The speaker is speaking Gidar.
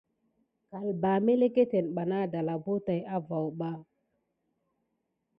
Kalbà meleketeni mqkuta dala ma taki avonba demi ke dansikiles.